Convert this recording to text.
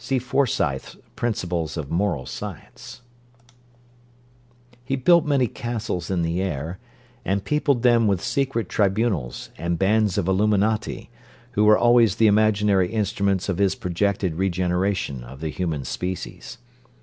He built many castles in the air, and peopled them with secret tribunals, and bands of illuminati, who were always the imaginary instruments of his projected regeneration of the human species.